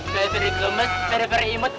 bateri gemes peri peri imut